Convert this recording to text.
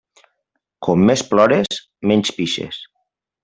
Com més plores, menys pixes.